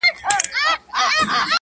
ځی ډېوې سو دغه توري شپې رڼا کړو,